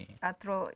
seperti tadi atro